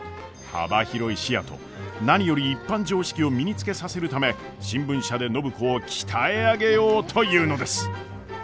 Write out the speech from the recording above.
幅広い視野と何より一般常識を身につけさせるため新聞社で暢子を鍛え上げようというのです。